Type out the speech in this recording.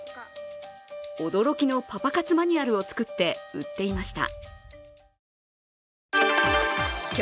驚きのパパ活マニュアルを作って売っていました。